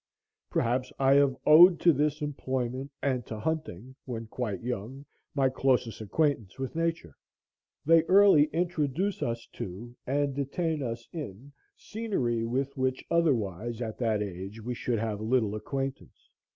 Perhaps I have owed to this employment and to hunting, when quite young, my closest acquaintance with Nature. They early introduce us to and detain us in scenery with which otherwise, at that age, we should have little acquaintance.